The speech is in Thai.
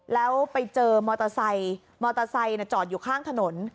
แล้วไปเจอมอเตอร์ไซค์มอเตอร์ไซค์จอดอยู่ข้างถนน